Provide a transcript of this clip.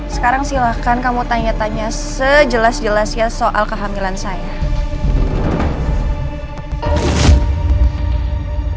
sekarang silahkan kamu tanya tanya sejelas jelasnya soal kehamilan saya